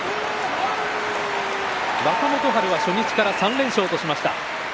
若元春は初日から３連勝としました。